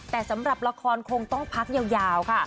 แต่สำหรับละครคงต้องพักยาวค่ะ